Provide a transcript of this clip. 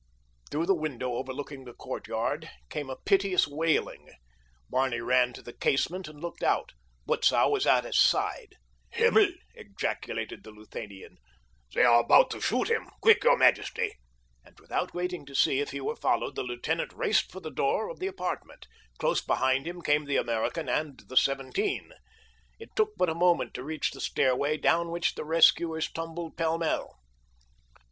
Through the window overlooking the courtyard came a piteous wailing. Barney ran to the casement and looked out. Butzow was at his side. "Himmel!" ejaculated the Luthanian. "They are about to shoot him. Quick, your majesty," and without waiting to see if he were followed the lieutenant raced for the door of the apartment. Close behind him came the American and the seventeen. It took but a moment to reach the stairway down which the rescuers tumbled pell mell.